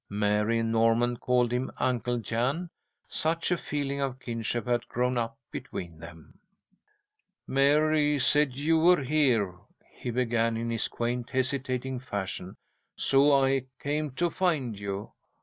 Mary and Norman called him "Uncle Jan," such a feeling of kinship had grown up between them. "Mary said you were here," he began, in his quaint, hesitating fashion, "so I came to find you.